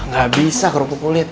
gak bisa kerupuk lo liat